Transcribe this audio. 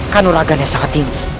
kanuragannya sangat tinggi